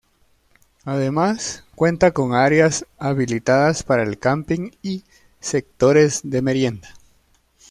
Además, cuenta con áreas habilitadas para el camping y sectores de merienda.